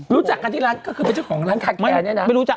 รู้จักกันทีละก็คือเป็นเจ้าของร้านขาดแก่นี่นะ